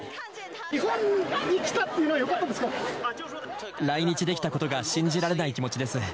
日本に来たっていうのは、来日できたことが信じられない気持ちです。